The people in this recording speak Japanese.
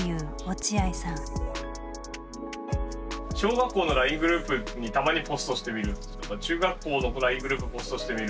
小学校のＬＩＮＥグループにたまにポストしてみるとか中学校のＬＩＮＥグループポストしてみるとかですね。